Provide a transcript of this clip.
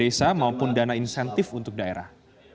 desa maupun dana insentif untuk daerah